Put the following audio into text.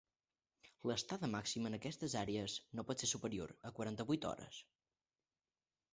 L'estada màxima en aquestes àrees no pot ser superior a quaranta-vuit hores.